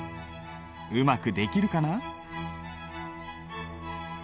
うまくできるかな？